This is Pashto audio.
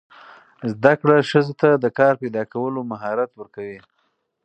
زده کړه ښځو ته د کار پیدا کولو مهارت ورکوي.